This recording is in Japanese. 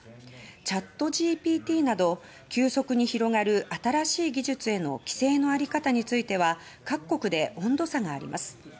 チャットＧＰＴなど急速に広がる新しい技術への規制のあり方については各国で温度差があります。